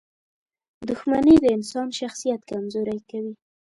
• دښمني د انسان شخصیت کمزوری کوي.